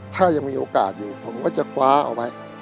ถ้ายังมีโอกาสอยู่ผมก็จะคว้าเอาไว้